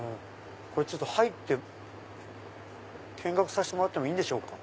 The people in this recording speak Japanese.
入って見学させてもらってもいいんでしょうか。